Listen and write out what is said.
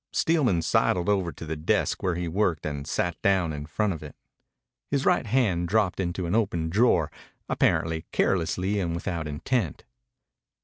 Steelman sidled over to the desk where he worked and sat down in front of it. His right hand dropped into an open drawer, apparently carelessly and without intent.